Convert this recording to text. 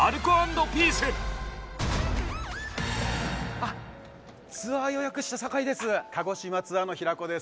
あツアー予約した酒井です。